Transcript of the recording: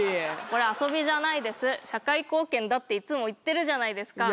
これ遊びじゃないです社会貢献だっていつも言ってるじゃないですか